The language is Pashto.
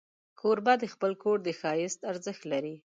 کوربه د خپل کور د ښایست ارزښت لري.